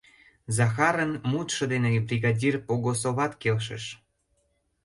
Захарын мутшо дене бригадир Погосоват келшыш.